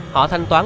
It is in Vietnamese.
họ thanh toán